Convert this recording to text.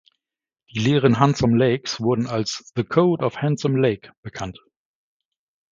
Die Lehren Handsome Lakes wurden als "The Code of Handsome Lake" bekannt.